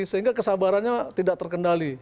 sehingga kesabarannya tidak terkendali